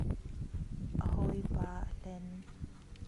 A hawipa a hlen.